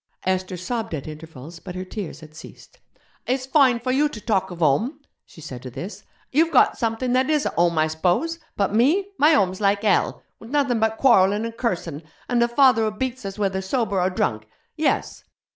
Esther sobbed at intervals, but her tears had ceased. 'It's fine for you to talk of home,' she said to this. 'You've got something that is a home, I s'pose? But me! my home's like hell, with nothing but quarrellin' and cursin', and a father who beats us whether sober or drunk. Yes!'